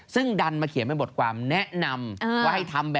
ซึ่งดันมาเขียนเป็นบทความแนะนำ